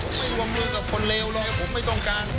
ผมไม่วงมือกับคนเลวเลยผมไม่ต้องการ